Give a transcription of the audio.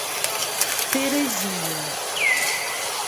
Terezinha